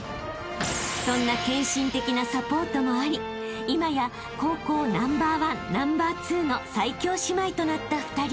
［そんな献身的なサポートもあり今や高校ナンバーワンナンバーツーの最強姉妹となった２人］